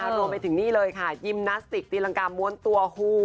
ประโยชน์ไปถึงนี่เลยค่ะยิมนาสติกตีรังกาบมวนตัว